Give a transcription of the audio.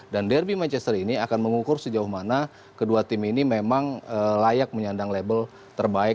dan derby manchester ini akan mengukur sejauh mana kedua tim ini memang layak menyandang label terbaik